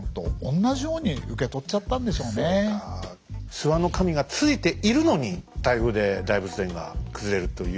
諏訪の神がついているのに台風で大仏殿が崩れるという。